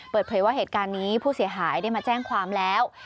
เปิดเผยว่าเหตุการณ์นี้ผู้เสียหายได้มาแจ้งความแล้ว